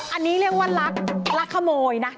อันนี้เรียกว่ารักขโมยนะ